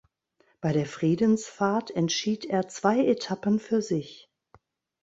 Bei der Friedensfahrt entschied er zwei Etappen für sich.